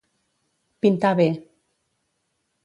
Pintar bé.